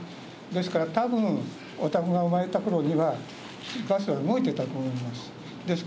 ですからたぶん、おたくが生まれたころにはバスは動いてたと思います。